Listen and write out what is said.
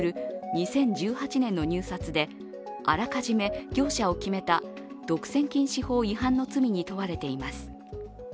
２０１８年の入札であらかじめ業者を決めた独占禁止法違反の罪に問われています。